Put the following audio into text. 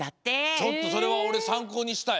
ちょっとそれはおれさんこうにしたい！